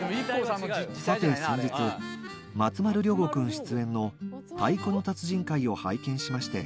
「さて先日松丸亮吾くん出演の」「太鼓の達人回を拝見しまして」